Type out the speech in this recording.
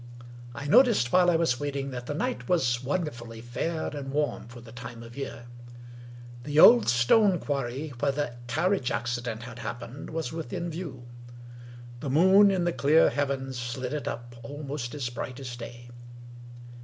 I noticed, while I was waiting, that the night was wonderfully fair and warm for the time of year. The old stone quarry where the carriage accident had happened was within view. The moon in the clear heavens lit it up almost as bright as day.